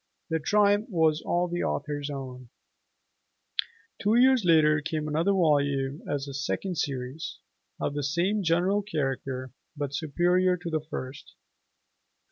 The triumph was all the author's own. [Illustration: AUGUSTINE BIRRELL] Two years later came another volume as a "Second Series", of the same general character but superior to the first.